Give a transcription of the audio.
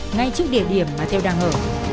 ngay trước địa điểm mà thêu đang ở